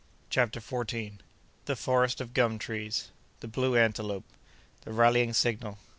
CHAPTER FOURTEENTH. The Forest of Gum Trees.—The Blue Antelope.—The Rallying Signal.